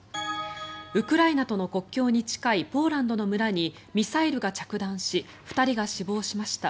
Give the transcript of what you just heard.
ウクライナとの国境に近いポーランドの村にミサイルが着弾し２人が死亡しました。